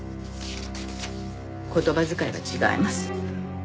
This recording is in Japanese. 言葉遣いが違います。